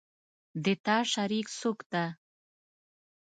د تا شریک څوک ده